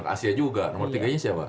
asia juga nomor tiga nya siapa